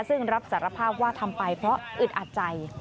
ซึ่งรับสารภาพว่าทำไปเพราะอึดอัดใจ